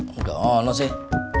oh ini sih